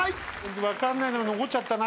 分かんないのが残っちゃったな。